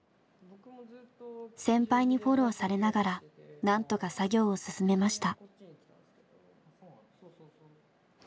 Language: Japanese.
先輩にフォローされながらなんとか作業を進めました。